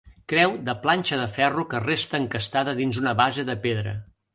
Creu de planxa de ferro que resta encastada dins una base de pedra.